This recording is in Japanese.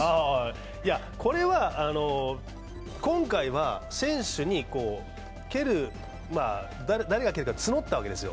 これは今回は選手に誰が蹴るか募ったわけですよ。